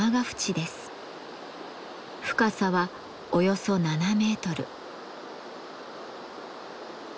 深さはおよそ７メートル。